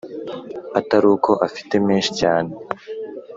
ataruko afite menshi.cyane